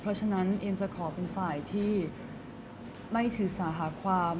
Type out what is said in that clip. เพราะฉะนั้นเอ็มจะขอเป็นฝ่ายที่ไม่ถือสาหาความ